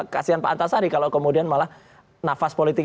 kasian pak antasari kalau kemudian malah nafas politik